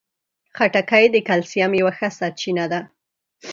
خټکی د کلسیم یوه ښه سرچینه ده.